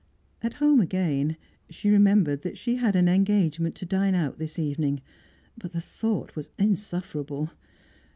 At home again, she remembered that she had an engagement to dine out this evening, but the thought was insufferable.